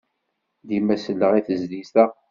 Dima selleɣ i tezlit-a.